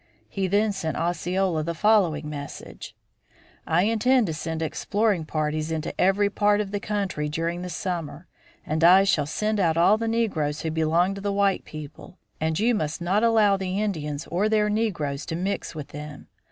He then sent Osceola the following message: "I intend to send exploring parties into every part of the country during the summer, and I shall send out all the negroes who belong to the white people, and you must not allow the Indians or their negroes to mix with them.